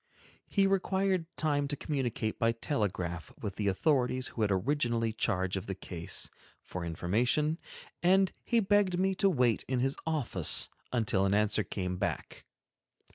He required time to communicate by telegraph with the authorities who had originally charge of the case, for information, and he begged me to wait in his office until an answer came back.